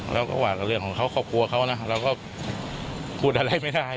เราก็ว่าเรื่องของเขาครอบครัวเขานะเราก็พูดอะไรไม่ได้